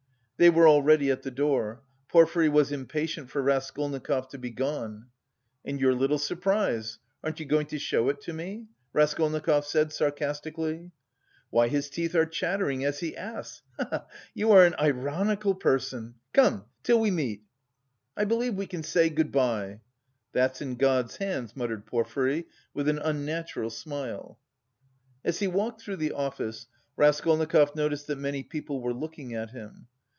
They were already at the door; Porfiry was impatient for Raskolnikov to be gone. "And your little surprise, aren't you going to show it to me?" Raskolnikov said, sarcastically. "Why, his teeth are chattering as he asks, he he! You are an ironical person! Come, till we meet!" "I believe we can say good bye!" "That's in God's hands," muttered Porfiry, with an unnatural smile. As he walked through the office, Raskolnikov noticed that many people were looking at him.